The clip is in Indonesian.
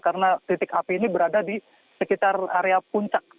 karena titik api ini berada di sekitar area puncak